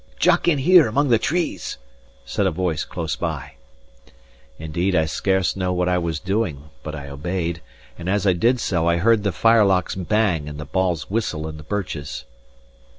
"Jock* in here among the trees," said a voice close by. * Duck. Indeed, I scarce knew what I was doing, but I obeyed; and as I did so, I heard the firelocks bang and the balls whistle in the birches.